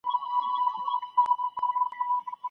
مرغۍ خپله سترګه له لاسه ورکړه خو عدالت یې وغوښت.